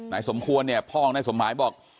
ไหนสมควรเนี่ยพ่อไหนสมหายบอก